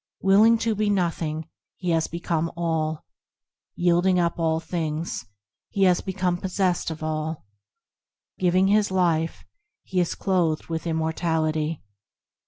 Willing to be nothing, he has become all ; Yielding up all things, he has become possessed of all; Giving his life, he is clothed with Immortality.